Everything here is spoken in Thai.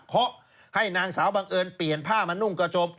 เขาให้นางสาวบังเอิญเปลี่ยนผ้ามานุ่งกระจม